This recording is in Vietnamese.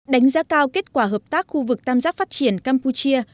đánh giá cao kết quả hợp tác khu vực tam giác phát triển campuchia